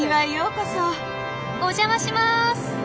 お邪魔します！